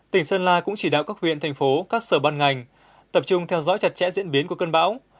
tỉnh sơn la cũng chỉ đạo các huyện thành phố các sở ban ngành tập trung theo dõi chặt chẽ diễn biến của cơn bão